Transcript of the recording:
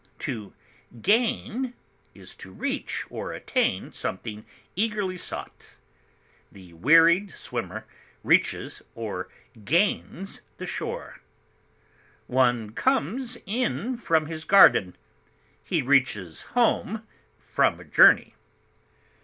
To gain is to reach or attain something eagerly sought; the wearied swimmer reaches or gains the shore. One comes in from his garden; he reaches home from a journey.